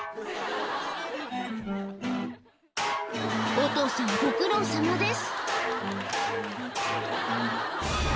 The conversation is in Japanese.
お父さんご苦労さまです